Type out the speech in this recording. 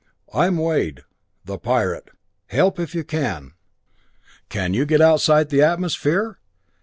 "I'm Wade the Pirate help if you can. Can you get outside the atmosphere?